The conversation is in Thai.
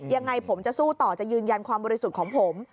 ยังไงผมจะสู้ต่อจะยืนยันความบริสุทธิ์ของผม